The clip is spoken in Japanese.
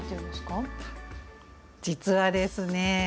実はですね